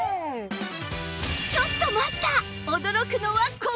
ちょっと待った！